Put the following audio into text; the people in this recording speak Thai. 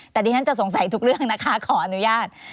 แต่ดิฉันจะสงสัยทุกเรื่องนะคะขออนุญาต